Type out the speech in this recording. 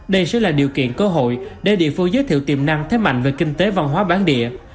đây sẽ là điều kiện cơ hội để địa phương giới thiệu tiềm năng thế mạnh về kinh tế văn hóa bán địa